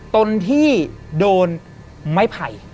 ตนที่โดนไม้ไผ่